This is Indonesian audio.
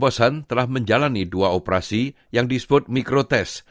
kosan telah menjalani dua operasi yang disebut mikrotest